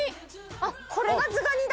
あっこれがズガニだ！